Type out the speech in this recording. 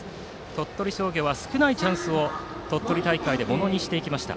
鳥取商業は少ないチャンスを鳥取大会で、ものにしました。